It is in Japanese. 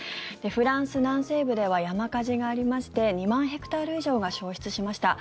フランス南西部では山火事がありまして２万ヘクタール以上が焼失しました。